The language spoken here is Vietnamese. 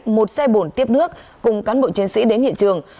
một xe bồn tiếp nước cùng cán bộ chiến sĩ đến hiện trường